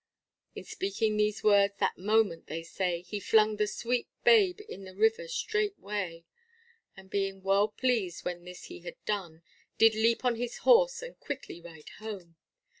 In speaking these words, that moment, they say, He flung the sweet babe in the river straightway; And being well pleased when this he had done, Did leap on his horse and quickly ride home.